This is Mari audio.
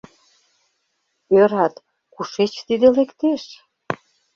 Ӧрат: кушеч тиде лектеш?!